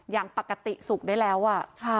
อย่างปกติสุขได้แล้วอ่ะ